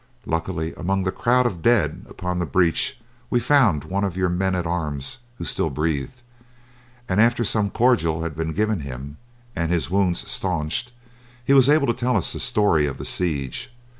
Luckily among the crowd of dead upon the breach we found one of your men at arms who still breathed, and after some cordial had been given him, and his wounds stanched, he was able to tell us the story of the siege.